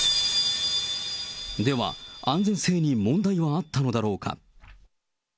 では、安全性に問題はあったのだろうか。